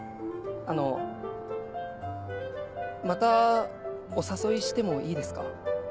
あのまたお誘いしてもいいですか？